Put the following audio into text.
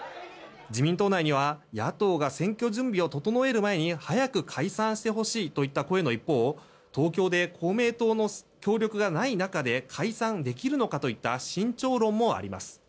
自民党内には野党が選挙準備を整える前に早く解散してほしいといった声の一方東京で公明党の協力がない中で解散できるのかといった慎重論もあります。